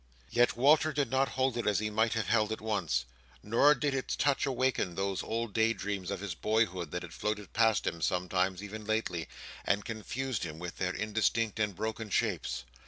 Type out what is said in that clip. Yet Walter did not hold it as he might have held it once, nor did its touch awaken those old day dreams of his boyhood that had floated past him sometimes even lately, and confused him with their indistinct and broken shapes.